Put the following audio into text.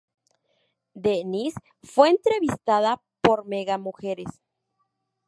D-Niss fue entrevistada por Mega Mujeres.